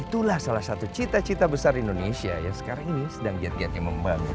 itulah salah satu cita cita besar indonesia yang sekarang ini sedang giat giatnya membangun